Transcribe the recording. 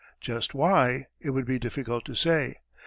Just why it would be difficult to say.